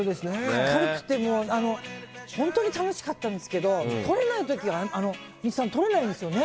明るくて本当に楽しかったんですけどとれない時はとれないんですよね。